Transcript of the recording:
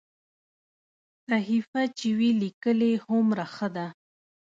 صحیفه چې وي لیکلې هومره ښه ده.